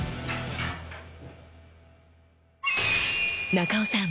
中尾さん